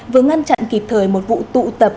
vừa ngăn chặn kịp thời một vụ tụ tập